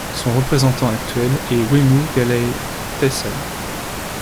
Son représentant actuel est Wemu Gelagay Teshale.